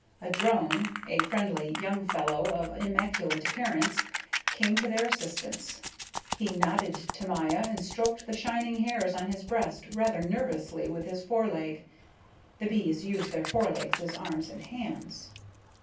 A drone, a friendly young fellow of immaculate appearance, came to their assistance. He nodded to Maya and stroked the shining hairs on his breast rather nervously with his foreleg. (The bees use their forelegs as arms and hands.)